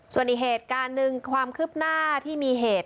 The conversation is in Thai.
ส่วนอีกเหตุการณ์หนึ่งความคืบหน้าที่มีเหตุ